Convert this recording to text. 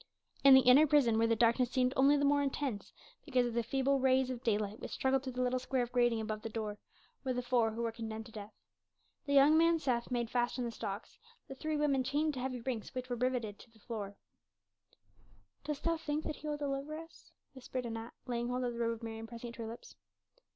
In the inner prison, where the darkness seemed only the more intense because of the feeble rays of daylight which struggled through the little square of grating above the door, were the four who were condemned to death. The young man Seth made fast in the stocks, the three women chained to heavy rings which were riveted into the stone floor. "Dost think that He will deliver us?" whispered Anat, laying hold of the robe of Mary and pressing it to her lips.